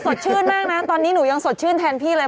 สดชื่นมากนะตอนนี้หนูยังสดชื่นแทนพี่เลย